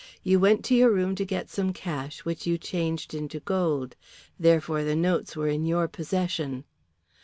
You went to your room to get some cash which you changed into gold. Therefore the notes were in your possession."